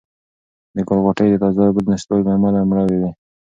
د ګل غوټۍ د تازه اوبو د نشتوالي له امله مړاوې وې.